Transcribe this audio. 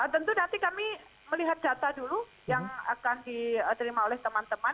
tentu nanti kami melihat data dulu yang akan diterima oleh teman teman